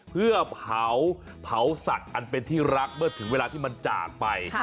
เพื่อเผาสัตว์อันเป็นที่รักเมื่อถึงเวลาที่มันจากไป